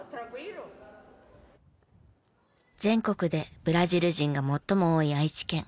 全国でブラジル人が最も多い愛知県。